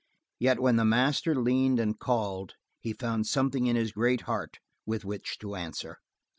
Yet when the master leaned and called he found something in his great heart with which to answer.